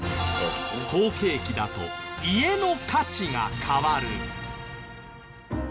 好景気だと家の価値が変わる。